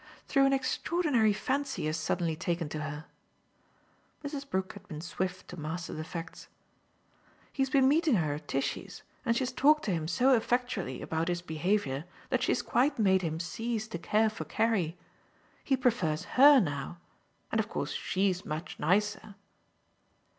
"Through an extraordinary fancy he has suddenly taken to her." Mrs. Brook had been swift to master the facts. "He has been meeting her at Tishy's, and she has talked to him so effectually about his behaviour that she has quite made him cease to care for Carrie. He prefers HER now and of course she's much nicer."